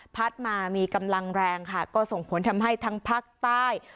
พัดมามีกำลังแรงค่ะก็ส่งผลทำให้ทั้งภาคใต้